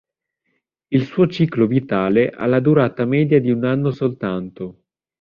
Il suo ciclo vitale ha la durata media di un anno soltanto.